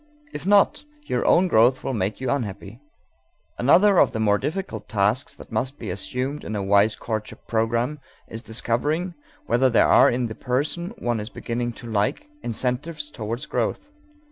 If not, your own growth will make you unhappy._ Another of the more difficult tasks that must be assumed in a wise courtship program is discovering whether there are in the person one is beginning to like incentives toward growth.